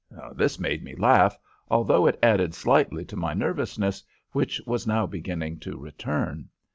"This made me laugh, although it added slightly to my nervousness, which was now beginning to return.